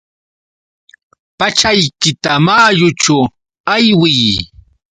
Pachaykita mayućhu aywiy.